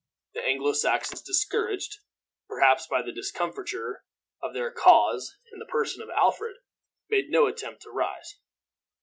The Anglo Saxons, discouraged perhaps by the discomfiture of their cause in the person of Alfred, made no attempt to rise.